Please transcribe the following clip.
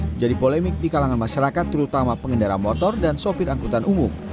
menjadi polemik di kalangan masyarakat terutama pengendara motor dan sopir angkutan umum